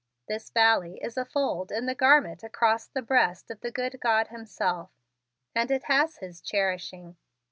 This valley is a fold in the garment across the breast of the good God Himself and it has His cherishing.